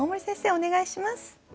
お願いします。